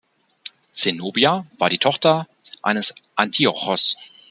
Zenobia war die Tochter eines Antiochos.